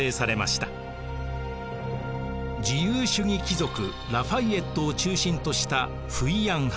自由主義貴族ラ・ファイエットを中心としたフイヤン派。